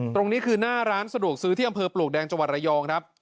ตรงนี้คือหน้าร้านสะดวกซื้อที่อำเภอปลวกแดงจังหวัดระยองครับ